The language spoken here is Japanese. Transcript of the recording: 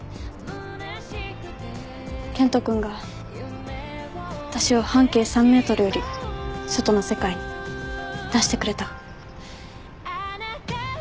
健人君が私を半径３ｍより外の世界に出してくれた。